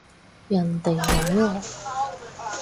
人哋咪哦